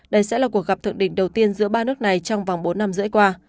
đây sẽ là cuộc gặp thượng đỉnh đầu tiên giữa ba nước này trong vòng bốn năm rưỡi qua